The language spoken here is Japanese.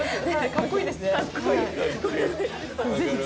かっこいいですね。